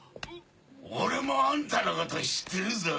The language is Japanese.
俺もあんたのこと知ってるぞ！